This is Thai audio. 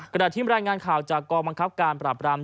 กระดาษทินมารายงานข่าวจากกรบังคับการปราบรำ